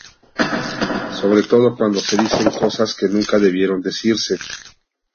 Sobre todo cuando se dicen cosas que nunca debieron decirse.